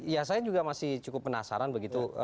ya saya juga masih cukup penasaran begitu